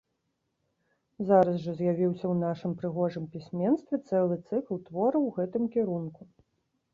Зараз жа з'явіўся ў нашым прыгожым пісьменстве цэлы цыкл твораў у гэтым кірунку.